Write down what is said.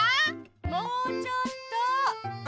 ・もうちょっと。